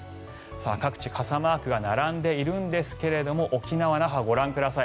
各地傘マークが並んでいるんですが沖縄・那覇をご覧ください。